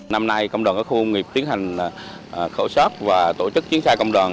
năm nay công đoàn các khu công nghiệp tiến hành khẩu sát và tổ chức chuyến xe công đoàn